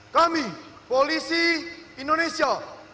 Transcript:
kami polisi indonesia